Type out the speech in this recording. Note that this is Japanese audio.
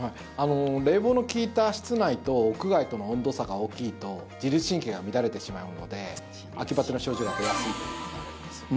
冷房の利いた室内と屋外との温度差が大きいと自律神経が乱れてしまうので秋バテの症状が出やすいと考えられます。